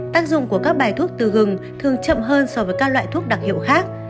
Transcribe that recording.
tác dụng của các bài thuốc từ gừng thường chậm hơn so với các loại thuốc đặc hiệu khác